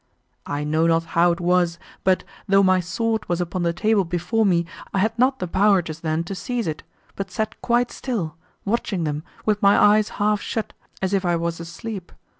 I know not how it was, but, though my sword was upon the table before me, I had not the power just then to seize it, but sat quite still, watching them, with my eyes half shut as if I was asleep.